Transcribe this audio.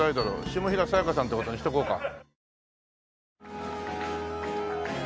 下平さやかさんって事にしとこうか。